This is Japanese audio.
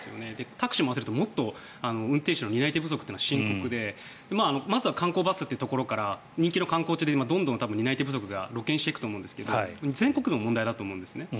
タクシーも合わせるともっと運転手の担い手不足というのは深刻でまずは観光バスというところから人気の観光地でどんどん担い手不足が露見していくと思うんですが全国の問題だと思うんですね。